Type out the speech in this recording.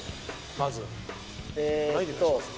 まず何で増やします？